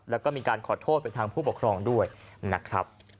แล้วก็มีการขอโทษไปทางผู้ปกครองด้วยนะครับ